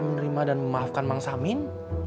menerima dan memaafkan bang samin